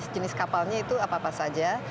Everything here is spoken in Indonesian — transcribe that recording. jenis kapalnya itu apa apa saja